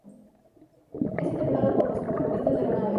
Es interpretada por los protagonistas de la Nave.